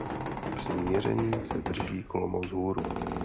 Při měření se drží kolmo vzhůru.